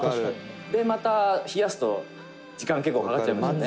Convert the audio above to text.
「また冷やすと、時間結構かかっちゃいますよね」